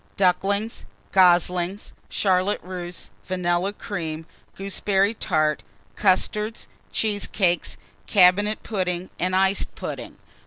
Ducklings. Goslings. Charlotte Russe. Vanilla Cream. Gooseberry Tart. Custards. Cheesecakes. Cabinet Pudding and Iced Pudding.